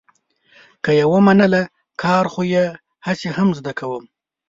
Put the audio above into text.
که یې ومنله، کار خو یې هسې هم زه کوم.